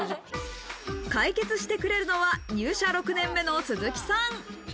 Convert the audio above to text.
解決してくれるのは入社６年目の鈴木さん。